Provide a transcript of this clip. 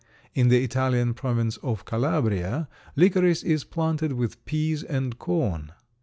In the Italian province of Calabria licorice is planted with peas and corn.